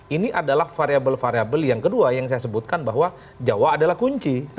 ini adalah variable variable yang kedua yang saya sebutkan bahwa jawa adalah kunci